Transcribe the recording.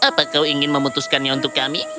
apa kau ingin memutuskannya untuk kami